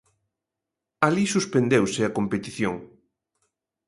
Alí suspendeuse a competición.